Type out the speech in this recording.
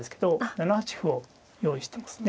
７八歩を用意してますね。